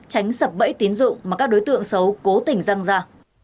tránh sập bẫy tín dụng mà các đối tượng xấu cố tình răng ra